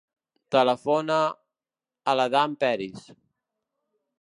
Telefona a l'Adam Peris.